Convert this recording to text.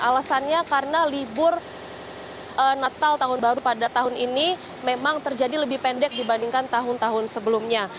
alasannya karena libur natal tahun baru pada tahun ini memang terjadi lebih pendek dibandingkan tahun tahun sebelumnya